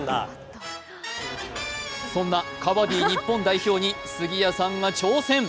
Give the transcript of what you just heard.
そんなカバディ日本代表に杉谷さんが挑戦。